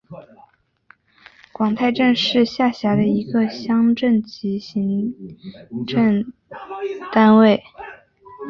广太镇是下辖的一个乡镇级行政单位。